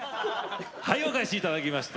はいお返しいただきました。